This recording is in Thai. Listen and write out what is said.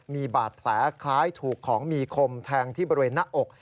มีบาดแผลคล้ายถูกของมีคมแทงที่บริเวณหน้าอก